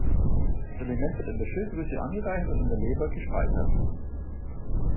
Das Element wird in der Schilddrüse angereichert und in der Leber gespeichert.